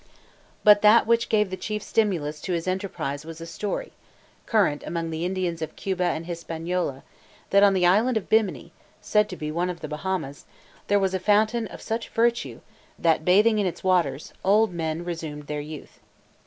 But that which gave the chief stimulus to his enterprise was a story, current among the Indians of Cuba and Hispaniola, that on the island of Bimini, said to be one of the Bahamas, there was a fountain of such virtue, that, bathing in its waters, old men resumed their youth.